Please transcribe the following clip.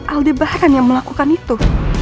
aldebaran yang melakukan itu